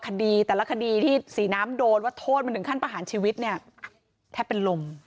คดีแต่ละคดีที่ศรีน้ำโดนว่าโทษมันถึงขั้นประหารชีวิตเนี่ยแทบเป็นลม